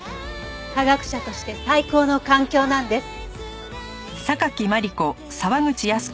科学者として最高の環境なんです。